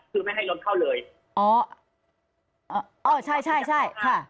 คือไม่ให้รถเข้าเลยอ๋ออ๋ออ๋อใช่ใช่ใช่ค่ะ